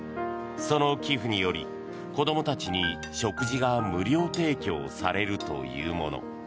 その寄付により子どもたちに食事が無料提供されるというもの。